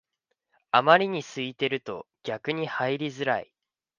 あまりに空いてると逆に入りづらい